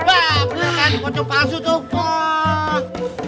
wah bener kan dikocok palsu tuh kok